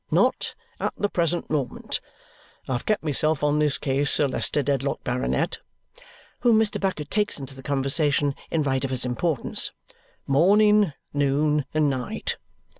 Not at the present moment. I've kept myself on this case, Sir Leicester Dedlock, Baronet," whom Mr. Bucket takes into the conversation in right of his importance, "morning, noon, and night.